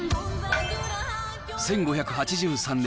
１５８３年、